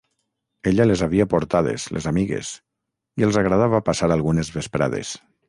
Ella les havia portades, les amigues, i els agradava passar algunes vesprades.